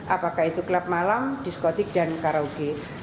apakah itu klub malam diskotik dan karaoke